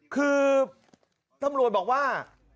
คือตำรวจบอกว่า